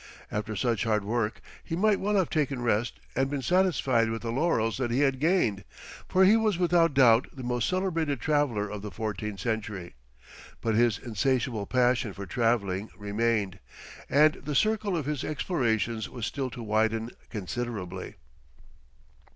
After such hard work he might well have taken rest and been satisfied with the laurels that he had gained, for he was without doubt the most celebrated traveller of the fourteenth century; but his insatiable passion for travelling remained, and the circle of his explorations was still to widen considerably.